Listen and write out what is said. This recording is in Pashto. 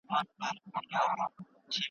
نوی سياست تر زوړ سياست ډېر پراخ دی.